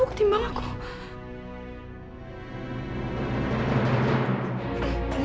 aku tiga banget nek